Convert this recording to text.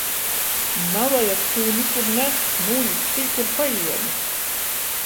Navajag tū nikur nest, nūlic tī, kur pajiemi...